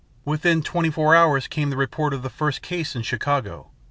Within twenty four hours came the report of the first case in Chicago.